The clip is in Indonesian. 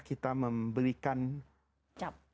kita memberikan cap